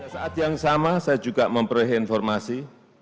saat yang sama saya juga memperoleh informasi